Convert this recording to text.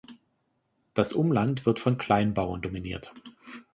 Das Umland wird von Kleinbauern dominiert.